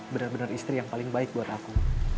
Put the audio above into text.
bener bener istri yang paling baik buat aku